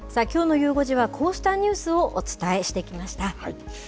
きょうのゆう５時は、こうしたニュースをお伝えしてきました。